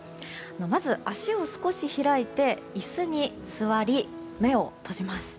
まず、足を少し開いて椅子に座り目を閉じます。